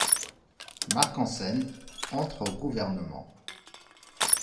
Marc Hansen entre au gouvernement.